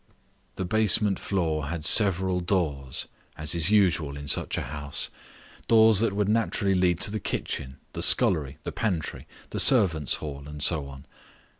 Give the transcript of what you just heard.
The basement floor had several doors, as is usual in such a house; doors that would naturally lead to the kitchen, the scullery, the pantry, the servants' hall, and so on.